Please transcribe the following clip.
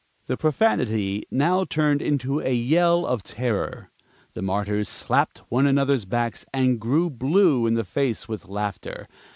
The profanity now turned into a yell of terror. The Martyrs slapped one another's backs and grew blue in the face with laughter.